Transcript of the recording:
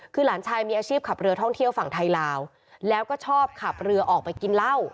คือหลานชายมีอาชีพขับเรือท่องเที่ยวฝั่งไทยลาวแล้วก็ชอบขับเรือออกไปกินเหล้า